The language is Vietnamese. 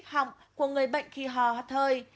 họng của người bệnh khi hoa hắt hơi